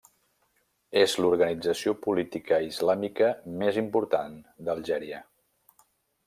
És l'organització política islàmica més important d'Algèria.